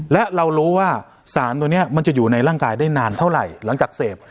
และเรารู้ว่าสารตัวนี้มันจะอยู่ในร่างกายได้นานเท่าไหร่หลังจากเสพ